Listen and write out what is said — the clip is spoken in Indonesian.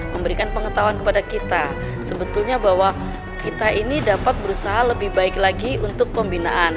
memberikan pengetahuan kepada kita sebetulnya bahwa kita ini dapat berusaha lebih baik lagi untuk pembinaan